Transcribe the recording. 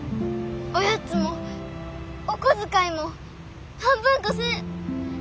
おやつもお小遣いも半分こする。